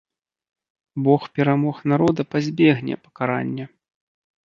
Бог перамог народа пазбегне пакарання.